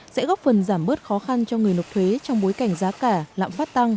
sẽ góp phần giảm bớt khó khăn cho người nộp thuế trong bối cảnh giá cả lạm phát tăng